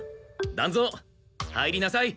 団蔵入りなさい。